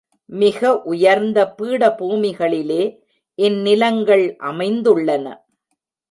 மிக உயர்ந்த பீடபூமிகளிலே இந்நிலங்கள் அமைந்துள்ளன.